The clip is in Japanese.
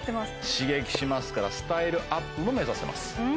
刺激しますからスタイルアップも目指せます